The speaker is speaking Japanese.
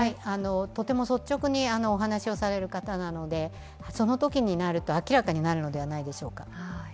とても率直にお話をされる方なのでそのときになると明らかになるのではないでしょうか。